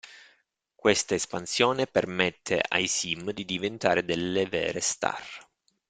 Questa espansione permette ai Sim di diventare delle vere star.